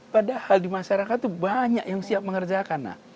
padahal di masyarakat itu banyak yang siap mengerjakan